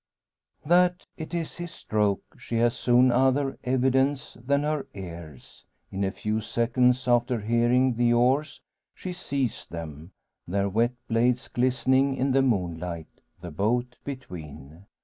That it is his stroke she has soon other evidence than her ears. In a few seconds after hearing the oars she sees them, their wet blades glistening in the moonlight, the boat between.